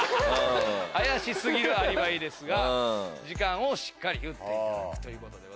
怪し過ぎるアリバイですが時間をしっかり言っていただくことです。